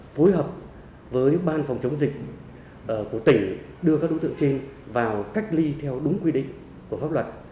phối hợp với ban phòng chống dịch của tỉnh đưa các đối tượng trên vào cách ly theo đúng quy định của pháp luật